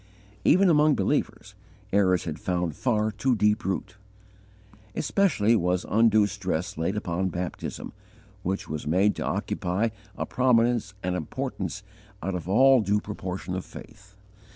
Even among believers, errors had found far too deep root. Especially was undue stress laid upon baptism, which was made to occupy a prominence and importance out of all due proportion of faith.